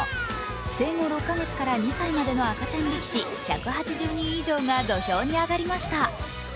生後６か月から２歳までの赤ちゃん力士１８０人以上が土俵に上がりました。